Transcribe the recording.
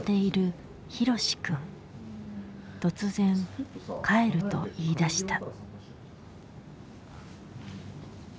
突然「帰る」と言い出した。